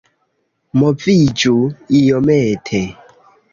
Moviĝu iomete